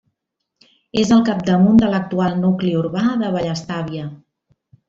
És al capdamunt de l'actual nucli urbà de Vallestàvia.